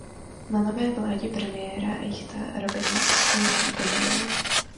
Na nové vládě premiéra Jicchaka Rabina se již nepodílel.